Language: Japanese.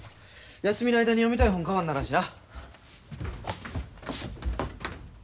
休みの間に読みたい本買わんならんしな。